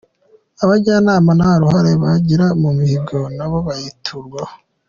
Abajyanama nta ruhare bagira mu mihigo, nabo bayiturwaho